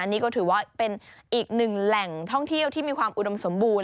นี่ก็ถือว่าเป็นอีกหนึ่งแหล่งท่องเที่ยวที่มีความอุดมสมบูรณ